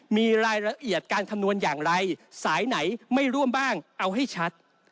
มีรายละเอียดการคำนวณอย่างไรสายไหนไม่ร่วมบ้างเอาให้ชัด